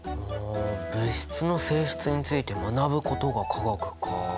物質の性質について学ぶことが化学か。